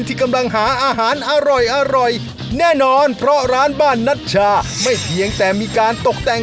ที่กำลังหาอาหารอร่อยอร่อยแน่นอนเพราะร้านบ้านนัชชาไม่เพียงแต่มีการตกแต่ง